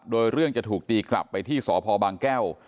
โดยเรื่องจะถูกตีกลับไปที่สพบางแก้ว